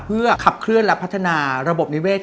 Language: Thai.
เพื่อขับเคลื่อนและพัฒนาระบบนิเวศ